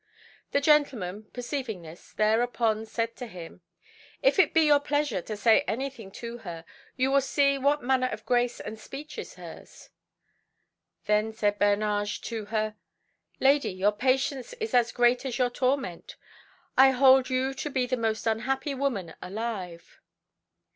The gentleman, perceiving this, thereupon said to him "If it be your pleasure to say anything to her, you will see what manner of grace and speech is hers." Then said Bernage to her "Lady, your patience is as great as your torment. I hold you to be the most unhappy woman alive."